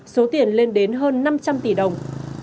số tiền lên đến hơn năm trăm linh tỷ đồng